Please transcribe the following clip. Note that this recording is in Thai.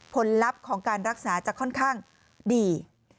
ลับของการรักษาจะค่อนข้างดี